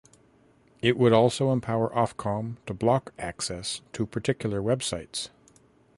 It would also empower Ofcom to block access to particular websites.